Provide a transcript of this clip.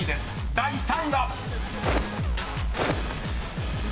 ［第３位は］